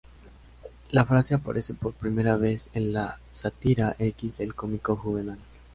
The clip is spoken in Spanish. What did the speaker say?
La frase aparece por primera vez en la Sátira X del cómico Juvenal.